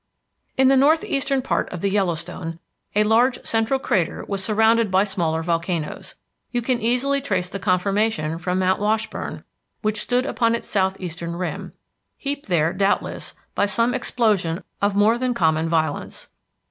In the northeastern part of the Yellowstone a large central crater was surrounded by smaller volcanoes. You can easily trace the conformation from Mount Washburn which stood upon its southeastern rim, heaped there, doubtless, by some explosion of more than common violence.